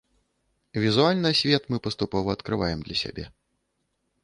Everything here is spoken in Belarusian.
Візуальна свет мы паступова адкрываем для сябе.